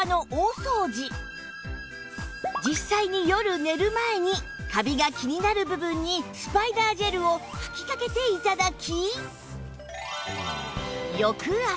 実際に夜寝る前にカビが気になる部分にスパイダージェルを吹きかけて頂き